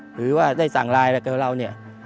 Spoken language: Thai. หรือว่าได้สั่งไลน์อะไรกับเราเนี่ย